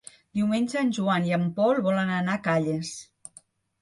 Diumenge en Joan i en Pol volen anar a Calles.